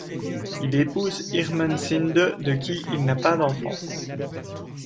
Il épouse Hirmensinde de qui il n'a pas d'enfant.